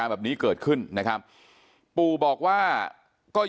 เป็นมีดปลายแหลมยาวประมาณ๑ฟุตนะฮะที่ใช้ก่อเหตุ